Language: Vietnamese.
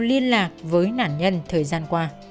liên lạc với nạn nhân thời gian qua